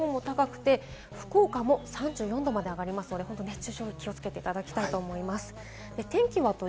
その他、西日本、東日本も高くて、福岡も３４度まで上がりますので、熱中症に気をつけていただきたいと思います。